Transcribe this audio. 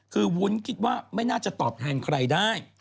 คือวุ้นคิดว่าไม่น่าจะตอบแทนใครได้